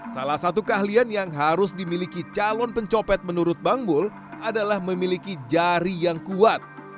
salah satu keahlian yang harus dimiliki calon pencopet menurut bang bul adalah memiliki jari yang kuat